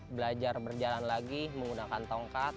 belajar berjalan lagi menggunakan tongkat